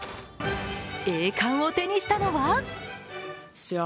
栄冠を手にしたのは？